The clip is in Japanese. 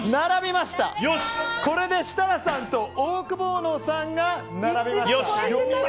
これで設楽さんとオオクボーノさんが並びました。